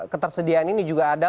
ketersediaan ini juga ada